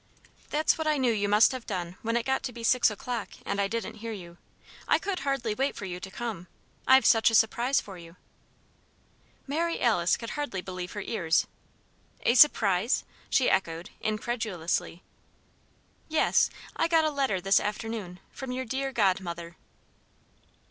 "That's what I knew you must have done when it got to be six o'clock and I didn't hear you. I could hardly wait for you to come. I've such a surprise for you." Mary Alice could hardly believe her ears. "A surprise?" she echoed, incredulously. "Yes. I got a letter this afternoon from your dear godmother."